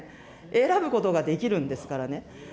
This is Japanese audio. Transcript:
選ぶことができるんですからね。